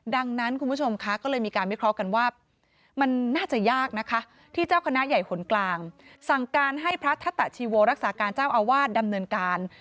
ดังนั้นคุณผู้ชมคะก็เลยมีการวิเคราะห์กันว่ามันน่าจะยากนะคะที่เจ้าคณะใหญ่หนกลางสั่งการให้พระทัตตะชีโวรักษาการเจ้าอาวาสดำเนินการ